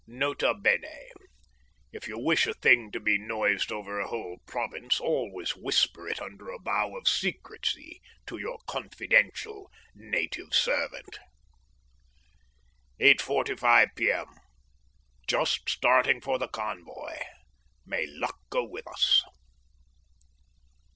N.B. If you wish a thing to be noised over a whole province always whisper it under a vow of secrecy to your confidential native servant. 8.45 P.M. Just starting for the convoy. May luck go with us!